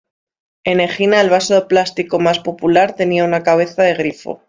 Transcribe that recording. En Egina, el vaso plástico más popular tenía una cabeza de grifo.